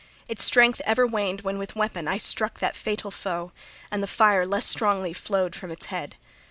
Its strength ever waned, when with weapon I struck that fatal foe, and the fire less strongly flowed from its head.